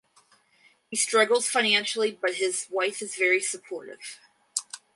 He struggles financially but his wife is very supportive.